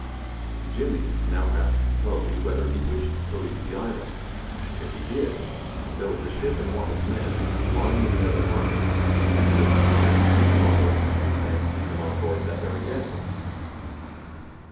Jimmy now asked Toby whether he wished to leave the island if he did, there was a ship in want of men lying in the other harbour, and he would be glad to take him over, and see him on board that very day.